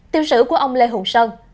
tiêu sử của ông lê hùng sơn